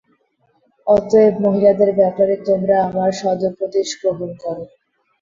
অতএব, মহিলাদের ব্যাপারে তোমরা আমার সদুপদেশ গ্রহণ কর।